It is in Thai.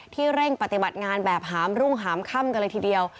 เร่งปฏิบัติงานแบบหามรุ่งหามค่ำกันเลยทีเดียว